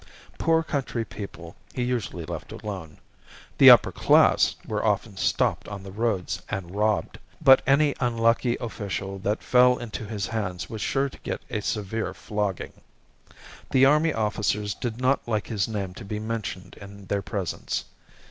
Poor country people he usually left alone; the upper class were often stopped on the roads and robbed; but any unlucky official that fell into his hands was sure to get a severe flogging. The army officers did not like his name to be mentioned in their presence.